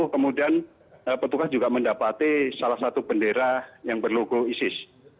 kemudian petugas juga mendapati salah satu bendera yang berlogo isis